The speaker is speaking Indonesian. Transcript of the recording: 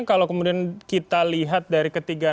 kalau kemudian kita lihat dari ketiga